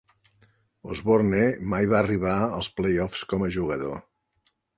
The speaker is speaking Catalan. Osborne mai va arribar als "playoffs" com a jugador.